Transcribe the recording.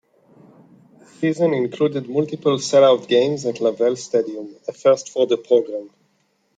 The season included multiple sellout games at LaValle Stadium, a first for the program.